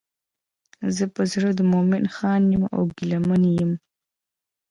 زه په زړه د مومن خان یم او ګیله منه یم.